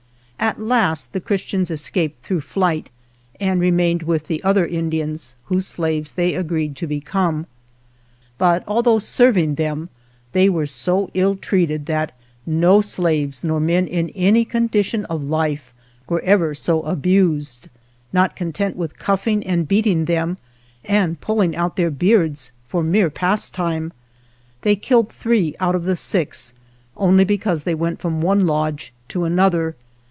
At last the Christians escaped through flight, and remained with the other Indians, whose slaves they agreed to become. But, although serving them, they were so ill treated, that no slaves, nor men in any con dition of life, were ever so abused. Not content with cuffing and beating them and pulling out their beards for mere pastime, they killed three out of the six only because they went from orte lodge to another.